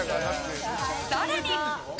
更に。